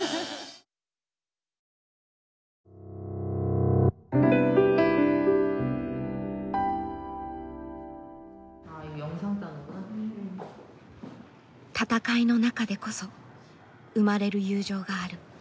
戦いの中でこそ生まれる友情がある。